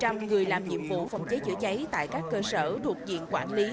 một trăm linh người làm nhiệm vụ phòng cháy chữa cháy tại các cơ sở thuộc diện quản lý